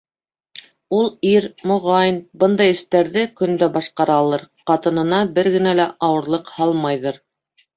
Ул ир, моғайын, бындай эштәрҙе көн дә башҡаралыр, ҡатынына бер генә лә ауырлыҡ һалмайҙыр.